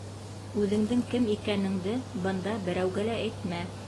— Үҙеңдең кем икәнеңде бында берәүгә лә әйтмә.